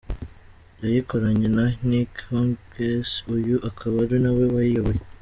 Yayikoranye na Nick Hughes, uyu akaba ari nawe wayiyoboye.